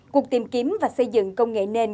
cuộc tìm kiếm và xây dựng công nghệ nền